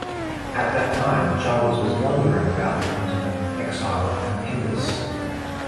At that time, Charles was wandering about the Continent, exiled and penniless.